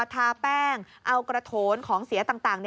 ทาแป้งเอากระโถนของเสียต่าง